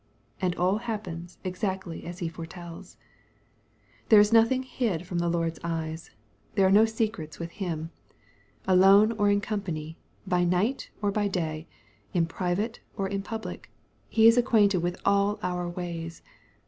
And all happens exactly as He foretells. There is nothing hid from the Lord's eyes. There aro I MATTHEW, CHAP. XXI. 265 no secrets with Him. Alone or ia company, by night or by day, in private or in public, He is acquainted with all our ways.